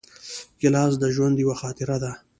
ګیلاس د ژوند یوه خاطره ده.